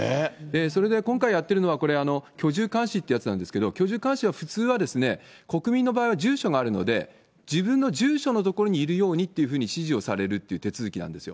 それで今回やってるのはこれ、居住監視ってやつなんですけど、居住監視は、普通は国民の場合は住所があるので、自分の住所の所にいるようにっていうふうに指示をされるっていう手続きなんですよ。